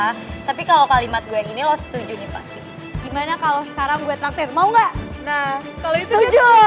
tapi kalo kalimat gue yang ini lo setuju nih pasti